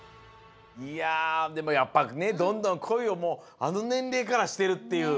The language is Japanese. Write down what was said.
いやでもやっぱねどんどん恋をもうあのねんれいからしてるっていう。